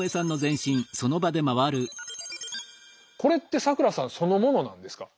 これって咲楽さんそのものなんですか？